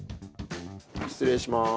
失礼します。